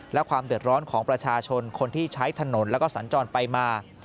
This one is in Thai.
และความเดือดร้อนของประชาชนคนที่ใช้ถนนแล้วก็สัญจรไปมา